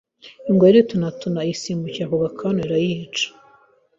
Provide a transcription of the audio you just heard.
Ingwe iritunatuna iyisimbukira ku gakanu irayica